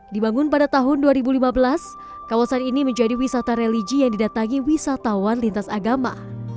dibangun pada tahun dua ribu lima belas kawasan ini menjadi wisata religi yang didatangi wisatawan lintas agama